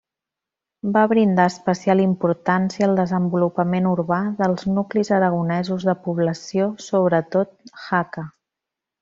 Va brindar especial importància al desenvolupament urbà dels nuclis aragonesos de població, sobretot Jaca.